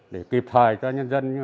để kịp thời cho nhân dân